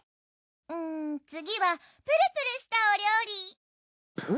うん次はプルプルしたおりょうり？